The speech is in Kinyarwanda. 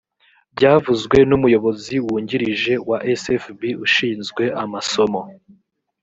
byavuzwe n umuyobozi wungirije wa sfb ushinzwe amasomo